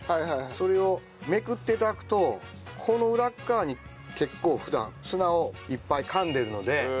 それをめくって頂くとこの裏側に結構普段砂をいっぱい噛んでるので。